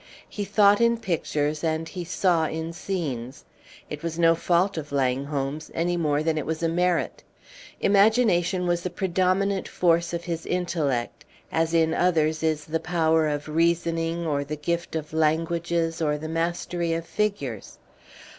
He thought in pictures and he saw in scenes. It was no fault of Langholm's, any more than it was a merit. Imagination was the predominant force of his intellect, as in others is the power of reasoning, or the gift of languages, or the mastery of figures.